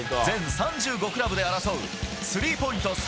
全３５クラブで争うスリーポイント